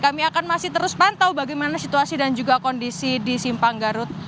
kami akan masih terus pantau bagaimana situasi dan juga kondisi di simpang garut